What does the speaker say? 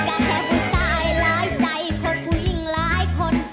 ก็แค่ผู้ชายหลายใจคนผู้หญิงหลายคน